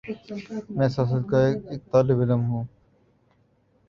میں سیاست کا ایک طالب علم ہوں۔